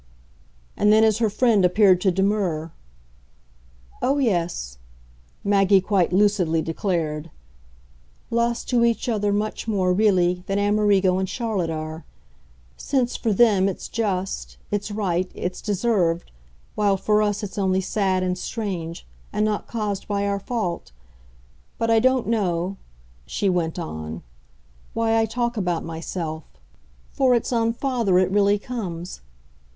And then as her friend appeared to demur, "Oh yes," Maggie quite lucidly declared, "lost to each other much more, really, than Amerigo and Charlotte are; since for them it's just, it's right, it's deserved, while for us it's only sad and strange and not caused by our fault. But I don't know," she went on, "why I talk about myself, for it's on father it really comes.